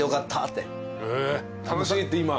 楽しいって今。